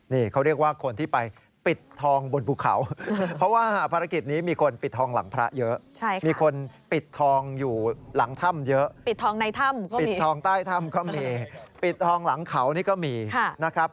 นี่เขาเรียกว่าคนที่ไปปิดทองบนภูเขาเพราะว่าภารกิจนี้มีคนปิดทองหลังพระเยอะมีคนปิดทองอยู่หลังถ้ำเยอะปิดทองในถ้ำปิดทองใต้ถ้ำก็มีปิดทองหลังเขานี่ก็มีนะครับ